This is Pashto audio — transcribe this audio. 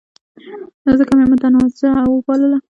ځکه مې متنازعه وباله.